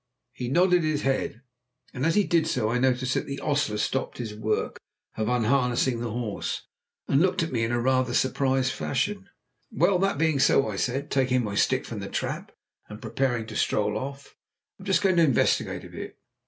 He nodded his head, and as he did so I noticed that the ostler stopped his work of unharnessing the horse, and looked at me in rather a surprised fashion. "Well, that being so," I said, taking my stick from the trap, and preparing to stroll off, "I'm just going to investigate a bit.